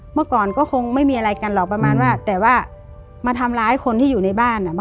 เมื่อก่อนก็คงไม่มีอะไรกันหรอกประมาณว่าแต่ว่ามาทำร้ายคนที่อยู่ในบ้าน